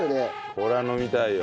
これは飲みたいよ。